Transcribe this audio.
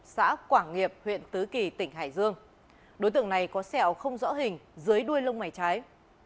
xã quảng nghiệp huyện tứ kỳ tỉnh hải dương đối tượng này có sẹo không rõ hình dưới đuôi lông mày trái